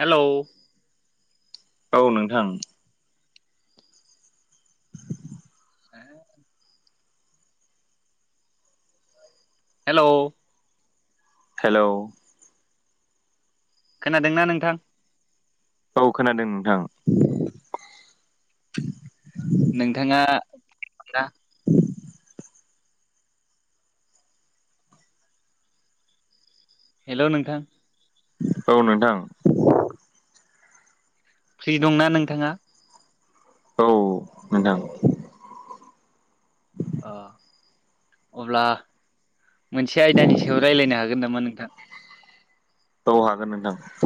Hello- औ नोंथां। ह [unintelligible] हेल' हेलौ- खोनादोंना नोंथां? औ खोनादों नोंथां। नोंथाङा दा- [inaudible] [unintelligible] हेल' नोंथां। औ नोंथां। फ्रि दंना नोंथाङा? औ नोंथां। अ अब्ला मोनसे आयदानि सायाव रायज्लायनो हागोन नामा नोंथां? औ हागोन नोंथां।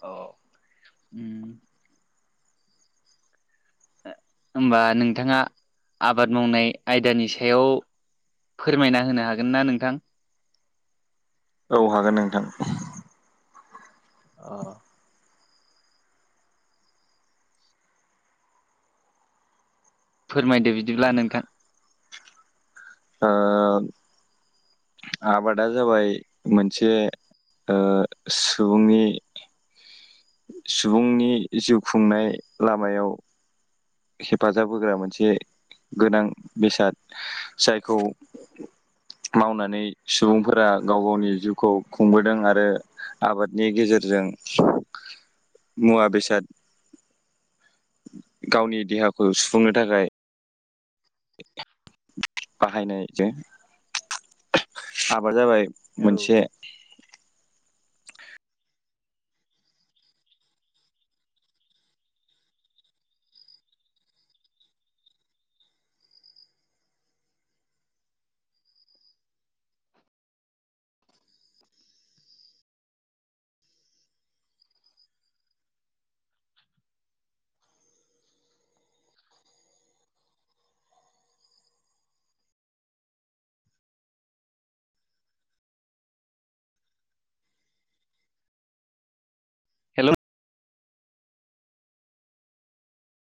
औ उम होनबा नोंथाङा आबाद मावनाय आयदानि सायाव फोरमायना होनो हागोन ना नोंथां? औ हागोन नोंथां। अ फोरमायदो बिदिब्ला नोंथां। ओ आबादा जाबाय मोनसे ओ सुबुंनि सुबुंनि जिउ खुंनाय लामायाव हेफाजाब होग्रा मोनसे गोनां बेसाद जायखौ मावनानै सुबुंफोरा गाव गावनि जिउखौ खुंबोदों आरो आबादनि गेजेरजों मुवा बेसाद गावनि देहाखौ सुफुंनो थाखाय [inaudible] बाहायनायजो आबा जाबाय औ मोनसे हेलौ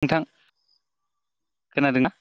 नोंथां खोनादों ना?